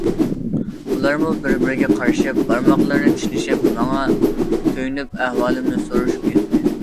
ئۇلارمۇ بىر بىرىگە قارىشىپ، بارماقلىرىنى چىشلىشىپ، ماڭا كۆيۈنۈپ ئەھۋالىمنى سورىشىپ كەتتى.